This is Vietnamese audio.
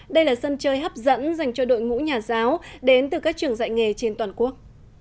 đây là sân chơi hấp dẫn dành cho đội ngũ nhà giáo đến từ các trường dạy nghề trên toàn quốc